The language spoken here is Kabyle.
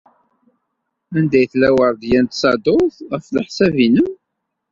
Anda ay tella Weṛdiya n Tsaḍurt, ɣef leḥsab-nnem?